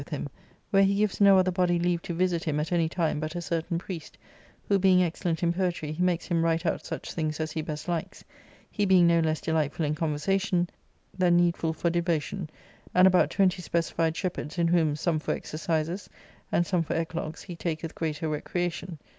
a!i£luhim_i.where'jie gives no other body leave to visit him at any time but a certain priest, who being excellent in poetry, he makes him write out such things as he best likes, he being no less delightful in con versation than needful for devotion, and about twenty specified shepherds, in whom, some for exercises, and some for eclogues', he'laketh greater recreation.